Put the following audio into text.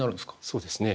そうですね。